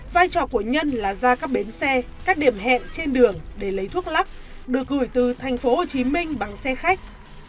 vai trò của nhân là ra các bến xe các điểm hẹn trên đường để lấy thuốc lắc được gửi từ thành phố hồ chí minh bằng xe khách